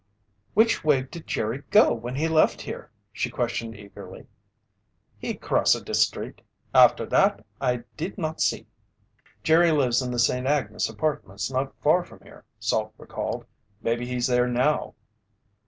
"Which way did Jerry go when he left here?" she questioned eagerly. "He crossa de street. After dat, I did not see." "Jerry lives in the St. Agnes Apartments not far from here," Salt recalled. "Maybe he's there now!"